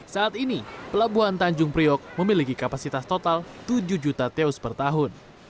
saat ini pelabuhan tanjung priok memiliki kapasitas total tujuh juta teus per tahun